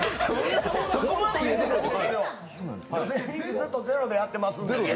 ずっとゼロでやってますんで。